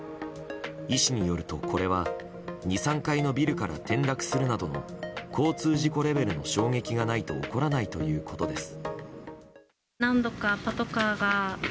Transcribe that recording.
医師によるとこれは２、３階のビルから転落するなどの交通事故レベルの衝撃がないと起こらないということです。